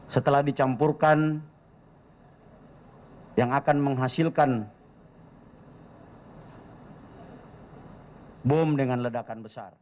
setelah dicampurkan yang akan menghasilkan bom dengan ledakan besar